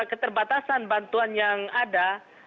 keterbatasan bantuan yang ada